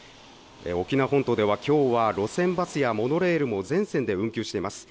沖縄本島ではきょうは路線バスやモノレールも全線で運休しています。